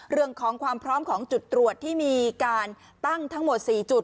เรื่องของความพร้อมของจุดตรวจที่มีการตั้งทั้งหมด๔จุด